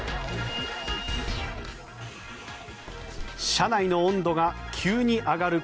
車内の温度が急に上がる